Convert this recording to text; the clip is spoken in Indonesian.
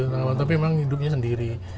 tetangga bantu tapi memang hidupnya sendiri